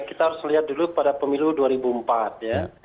kita harus lihat dulu pada perintahnya